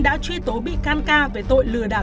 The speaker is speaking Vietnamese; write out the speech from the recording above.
đã truy tố bị can ca về tội lừa đảo